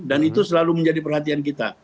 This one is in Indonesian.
dan itu selalu menjadi perhatian kita